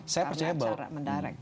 karena cara menarik